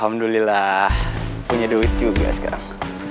alhamdulillah punya duit juga sekarang